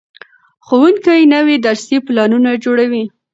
ښوونکي نوي درسي پلانونه جوړوي.